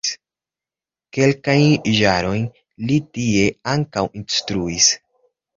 Kelkajn jarojn li tie ankaŭ instruis.